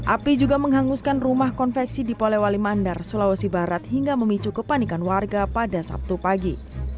api juga menghanguskan rumah konveksi di polewali mandar sulawesi barat hingga memicu kepanikan warga pada sabtu pagi